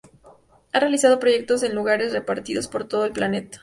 Ha realizado proyectos en lugares repartidos por todo el planeta.